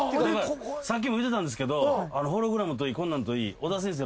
さっき言うてたんですけどホログラムといいこんなんといい尾田先生